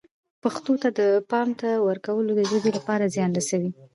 پښتو ته د پام نه ورکول د ژبې لپاره زیان رسوي.